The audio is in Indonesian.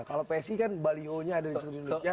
kalau psi kan baliho nya ada di seluruh indonesia